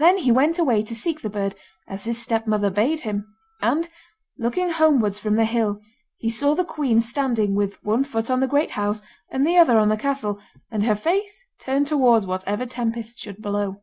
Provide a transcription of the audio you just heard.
Then he went away to seek the bird, as his stepmother bade him; and, looking homewards from the hill, he saw the queen standing with one foot on the great house, and the other on the castle, and her face turned towards whatever tempest should blow.